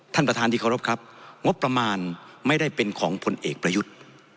ท่านประธานที่เคารพครับงบประมาณไม่ได้เป็นของผลเอกประยุทธ์